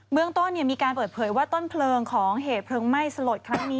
เมืองต้นมีการเปิดเผยว่าต้นเพลิงของเหตุเพลิงไหม้สลดครั้งนี้